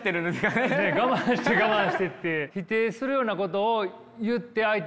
ねえ我慢して我慢してって。